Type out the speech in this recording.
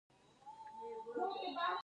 د میرمنو کار د ماشوم ودونو مخه نیسي.